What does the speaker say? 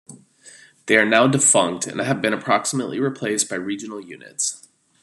They are now defunct, and have been approximately replaced by regional units.